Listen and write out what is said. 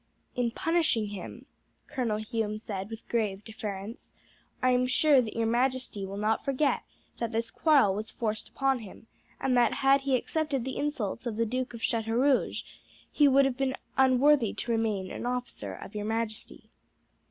"In punishing him," Colonel Hume said with grave deference, "I am sure that your majesty will not forget that this quarrel was forced upon him, and that, had he accepted the insults of the Duke of Chateaurouge, he would have been unworthy to remain an officer of your majesty."